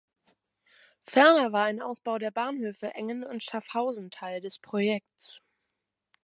Ferner war ein Ausbau der Bahnhöfe Engen und Schaffhausen Teil des Projekts.